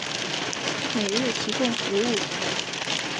每日提供服务。